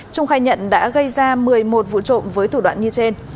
trung khai nhận đã gây ra một mươi một vụ trộm với thủ đoạn như trên